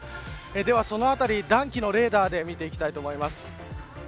ではそのあたり暖気のレーダーで見ていきたいと思います。